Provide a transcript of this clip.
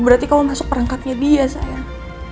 berarti kamu masuk perangkatnya dia sayang